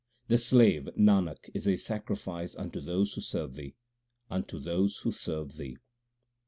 The slave Nanak is a sacrifice unto those who serve Thee, unto those who serve Thee.